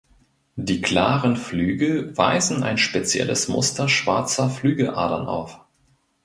Die klaren Flügel weisen ein spezielles Muster schwarzer Flügeladern auf.